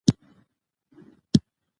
اوښ د افغان ماشومانو د زده کړې موضوع ده.